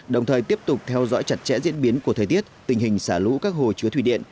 đồng thời tiếp tục theo dõi chặt chẽ diễn biến của thời tiết tình hình xả lũ các hồ chứa thủy điện